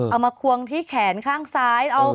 มาควงที่แขนข้างซ้าย